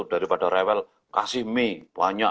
daripada rewel kasih mie banyak